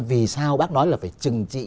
vì sao bác nói là phải trừng trị